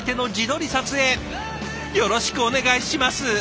よろしくお願いします。